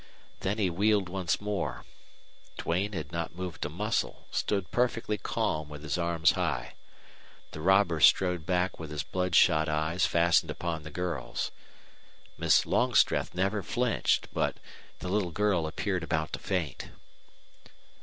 Then he wheeled once more. Duane had not moved a muscle, stood perfectly calm with his arms high. The robber strode back with his bloodshot eyes fastened upon the girls. Miss Longstreth never flinched, but the little girl appeared about to faint.